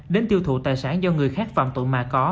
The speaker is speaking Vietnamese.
đến tiêu thụ tài sản do người khác phạm tội mà có